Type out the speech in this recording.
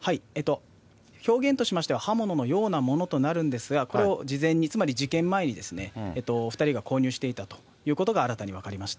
表現としましては、刃物のようなものとなるんですが、これを事前に、つまり事件前に２人が購入していたということが新たに分かりまし